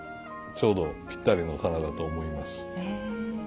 ちょうどぴったりの棚だと思います。